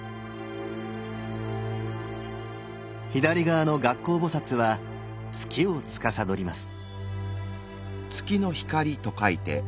左側の月光菩は月をつかさどります。